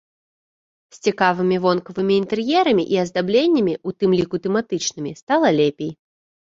З цікавымі вонкавымі інтэр'ерамі і аздабленнямі, у тым ліку тэматычнымі, стала лепей.